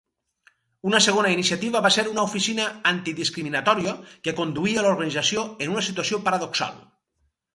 Una segona iniciativa va ser una oficina antidiscriminatòria que conduïa l'organització en una situació paradoxal.